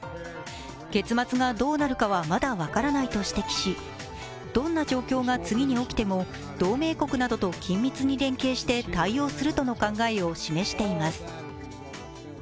結末がどうなるかはまだ分からないと指摘しどんな状況が次に起きても、同盟国などと緊密に連携して対応するとの考えを示しています。